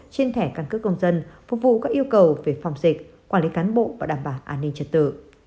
trên thẻ căn cước công dân phục vụ các yêu cầu về phòng dịch quản lý cán bộ và đảm bảo an ninh trật tự